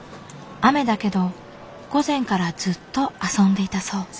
雨だけど午前からずっと遊んでいたそう。